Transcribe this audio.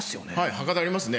博多ありますね。